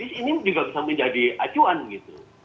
ini juga bisa menjadi acuan gitu